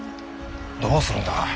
どうするんだ。